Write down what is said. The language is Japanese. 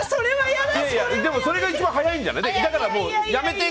それが一番早いんじゃない？